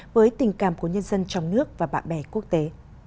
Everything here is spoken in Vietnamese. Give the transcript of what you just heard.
với tình cảm của nhân dân trong nước và bạn bè quốc tế